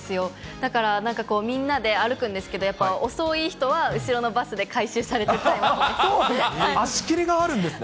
だから、なんかこう、みんなで歩くんですけど、やっぱ遅い人は後ろのバスで回収されていったりとか。